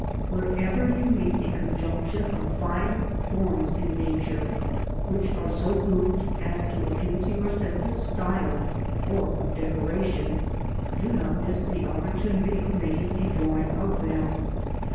Wherever you meet a conjunction of fine forms in Nature (which are so grouped as to appeal to your sense of style or of decoration), do not miss the opportunity of making a drawing of them.